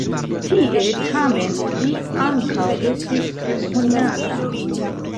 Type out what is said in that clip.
Tie, tamen, li ankaŭ estis rekonata.